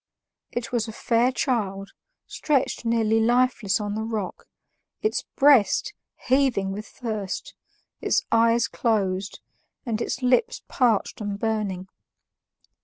It was a fair child, stretched nearly lifeless on the rock, its breast heaving with thirst, its eyes closed, and its lips parched and burning.